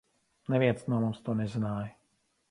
Neviens no mums to nezināja.